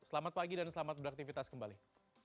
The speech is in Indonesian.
selamat pagi dan selamat beraktivitas kembali